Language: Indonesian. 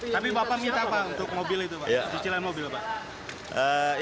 tapi bapak minta apa untuk cicilan mobil itu pak